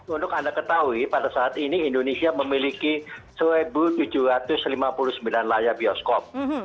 untuk anda ketahui pada saat ini indonesia memiliki satu tujuh ratus lima puluh sembilan layar bioskop